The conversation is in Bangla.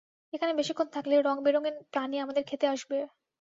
এখানে বেশিক্ষণ থাকলে, রঙ-বেরঙের প্রাণী আমাদের খেতে আসবে।